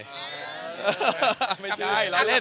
ขอบค์ให้เราเล่น